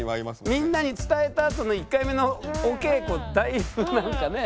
みんなに伝えたあとの１回目のお稽古だいぶなんかね